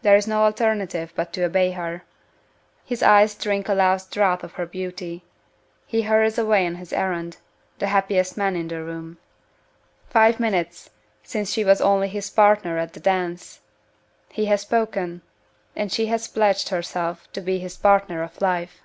There is no alternative but to obey her. His eyes drink a last draught of her beauty. He hurries away on his errand the happiest man in the room. Five minutes since she was only his partner in the dance. He has spoken and she has pledged herself to be his partner for life!